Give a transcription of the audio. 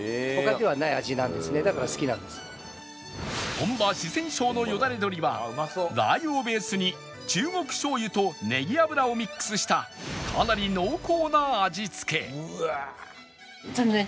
本場四川省のよだれ鶏は辣油をベースに中国醤油とねぎ油をミックスしたかなり濃厚な味付け